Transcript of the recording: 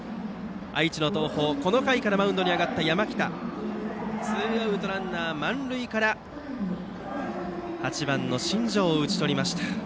愛知の東邦、この回からマウンドに上がった山北ツーアウトランナー、満塁から８番の新庄を打ち取りました。